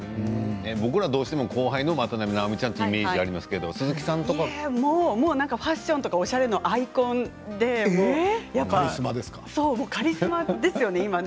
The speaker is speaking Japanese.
僕らは後輩の渡辺直美さんというイメージがありますけどファッションやおしゃれのアイコンでカリスマですよね。